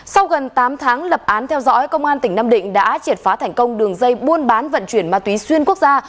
sau gần tám tháng lập án theo dõi công an tỉnh nam định đã triệt phá thành công đường dây buôn bán vận chuyển ma túy xuyên quốc gia